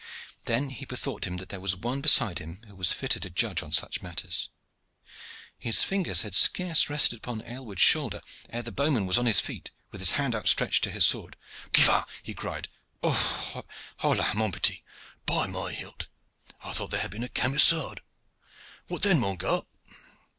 Then he bethought him that there was one beside him who was fitter to judge on such a matter. His fingers had scarce rested upon Aylward's shoulder ere the bowman was on his feet, with his hand outstretched to his sword. "Qui va?" he cried. "Hola! mon petit. By my hilt! I thought there had been a camisade. What then, mon gar.?"